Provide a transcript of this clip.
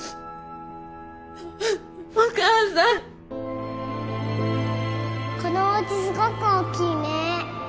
お母さんこのおうちすごく大きいね